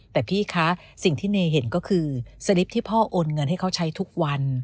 แต่พี่คะสิ่งที่เนเห็นก็คือสลิปที่พ่อโอนเงินให้เขาใช้ทุกวัน